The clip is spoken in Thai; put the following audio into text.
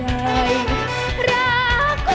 รักคุณเสียยิ่งกว่าใคร